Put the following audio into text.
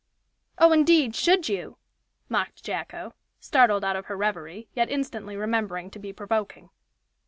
"Oh, indeed! should you?" mocked Jacko, startled out of her reverie, yet instantly remembering to be provoking.